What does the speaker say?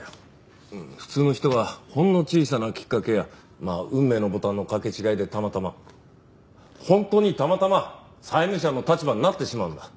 普通の人がほんの小さなきっかけやまあ運命のボタンの掛け違いでたまたま本当にたまたま債務者の立場になってしまうんだ。